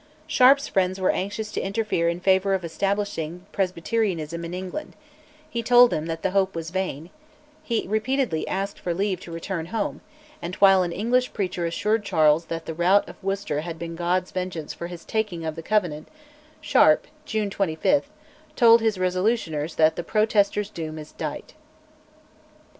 Sharp's friends were anxious to interfere in favour of establishing Presbyterianism in England; he told them that the hope was vain; he repeatedly asked for leave to return home, and, while an English preacher assured Charles that the rout of Worcester had been God's vengeance for his taking of the Covenant, Sharp (June 25) told his Resolutioners that "the Protesters' doom is dight."